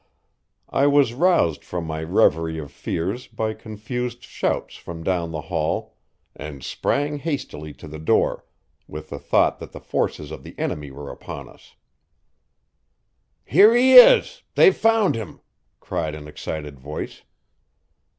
I was roused from my reverie of fears by confused shouts from down the hall, and sprang hastily to the door, with the thought that the forces of the enemy were upon us. "Here he is! they've found him," cried an excited voice.